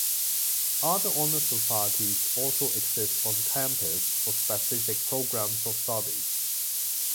Other honor societies also exist on campus for specific programs of study.